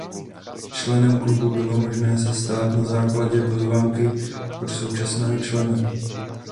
Členem Klubu bylo možné se stát na základě pozvánky od současného člena.